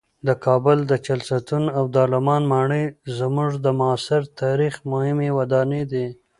د کابل د چهلستون او دارالامان ماڼۍ زموږ د معاصر تاریخ مهمې ودانۍ دي.